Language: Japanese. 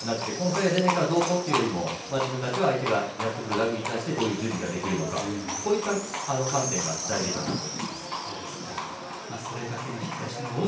大きなメリットではなくてこの２人が出ないからどうこうじゃなくて自分たちは相手がやってくるラグビーに対して準備ができるかというこういった観点が大事かなと思います。